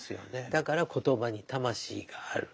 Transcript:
だから言葉に魂がある。